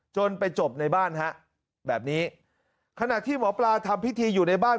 จนไปจบในบ้านฮะแบบนี้ขณะที่หมอปลาทำพิธีอยู่ในบ้าน